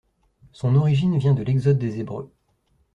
Son origine vient de l'Exode des Hébreux.